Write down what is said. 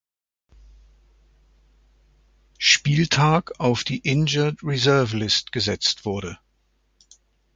Spieltag auf die Injured Reserve List gesetzt wurde.